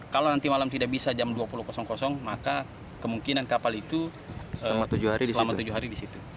kalau nanti malam tidak bisa jam dua puluh maka kemungkinan kapal itu selama tujuh hari di situ